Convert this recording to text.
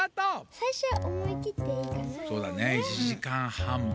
そうだね。